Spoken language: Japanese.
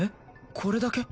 これだけ？